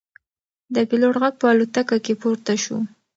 د پیلوټ غږ په الوتکه کې پورته شو.